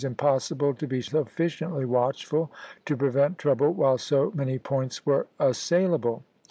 impossible to be sufficiently watchful to prevent trouble while so many points were assailable.